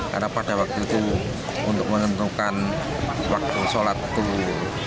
karena pada waktu itu untuk menentukan waktu sholat itu